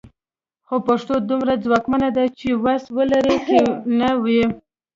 خو پښتو دومره ځواکمنه ده چې وس ولري که یې نه وي.